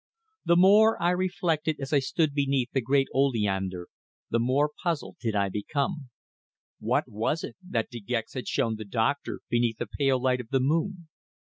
The more I reflected as I stood beneath the great oleander, the more puzzled did I become. What was it that De Gex had shown the doctor beneath the pale light of the moon?